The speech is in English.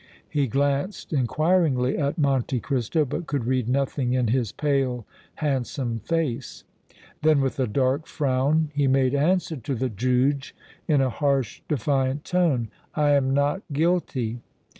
He glanced inquiringly at Monte Cristo, but could read nothing in his pale, handsome face; then with a dark frown he made answer to the Juge, in a harsh, defiant tone: "I am not guilty!"